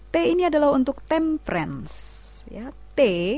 t ini adalah untuk temperance